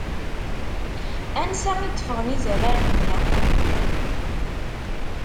Ansa i d-ffɣen izamaren-nni?